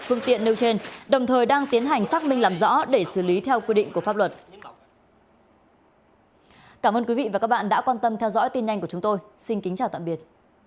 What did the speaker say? phương tiện nêu trên đồng thời đang tiến hành xác minh làm rõ để xử lý theo quy định của pháp luật